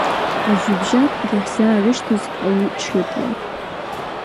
Аӡҩыбжьатә иаҳзаарышьҭыз аучытла.